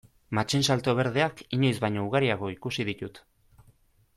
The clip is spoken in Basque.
Matxinsalto berdeak inoiz baino ugariago ikusi ditut.